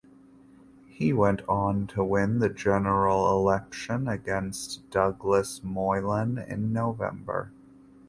He went on to win the general election against Douglas Moylan in November.